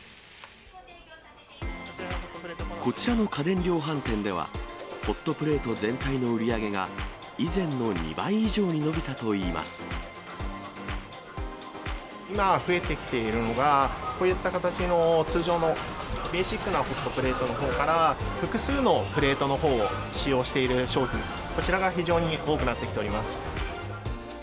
こちらの家電量販店では、ホットプレート全体の売り上げが、以前の２倍以上に伸びたといいま今増えてきているのが、こういった形の通常のベーシックなホットプレートのほうから、複数のプレートのほうを使用している商品、こちらが非常に多くなってきております。